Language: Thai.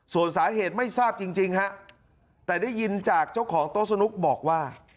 ส่วนสาเหตุไม่ทราบจริงฮะแต่ได้ยินจากเจ้าของโต๊ะสนุกบอกว่า